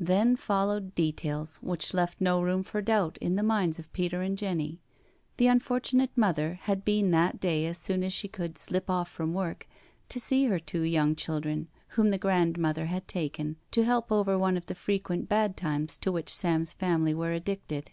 Then followed details which left no room for doubt in the minds of Peter and Jenny. The unfortunate mother had been that day as soon as she could " slip off work " to see her two young children whom the grandmother had taken to help over one of the frequent bad times to which Sam's family were addicted.